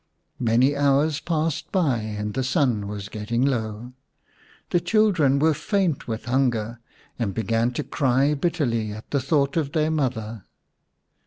Many hours passed by and the sun was getting low. The children were faint with hunger, and began to cry bitterly at the thought of their mother.